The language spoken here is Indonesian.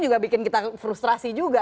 juga bikin kita frustrasi juga